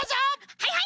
はいはい。